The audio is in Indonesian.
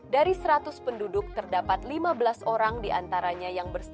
dari seratus penduduk terdapat lima belas orang diantaranya yang berstatus